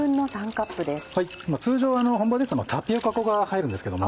通常本場ですとタピオカ粉が入るんですけども。